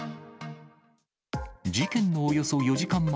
事件のおよそ４時間前、